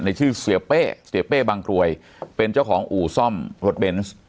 ชื่อเสียเป้เสียเป้บางกรวยเป็นเจ้าของอู่ซ่อมรถเบนส์